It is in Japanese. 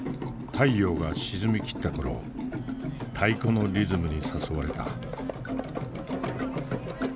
太陽が沈みきった頃太鼓のリズムに誘われた。